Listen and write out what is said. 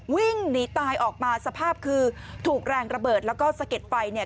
วิ่งหนีตายออกมาสภาพคือถูกแรงระเบิดแล้วก็สะเก็ดไฟเนี่ย